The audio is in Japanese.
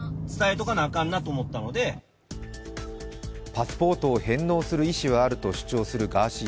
パスポートを返納する意思はあると主張するガーシー